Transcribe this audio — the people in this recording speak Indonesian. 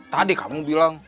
tadi kamu bilang